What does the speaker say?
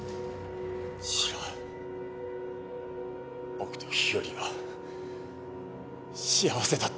違う僕と日和は幸せだった。